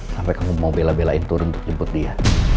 sampai kamu mau bela belain turun untuk jemput dia